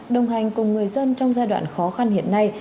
đồng hành cùng người dân trong giai đoạn khó khăn hiện nay